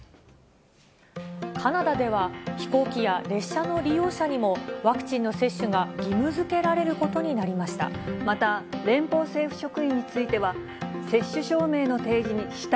カナダでは、飛行機や列車の利用者にも、ワクチンの接種が義務づけられることになりました。